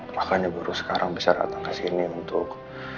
makanya buruh sekarang bisa datang ke sini untuk